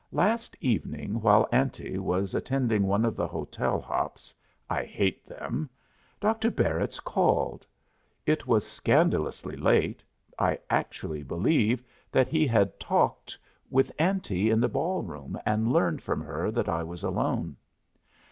Last evening while Auntie was attending one of the hotel hops (I hate them) Dr. Barritz called. It was scandalously late I actually believe that he had talked with Auntie in the ballroom and learned from her that I was alone.